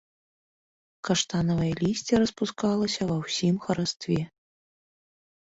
Каштанавае лісце распускалася ва ўсім харастве.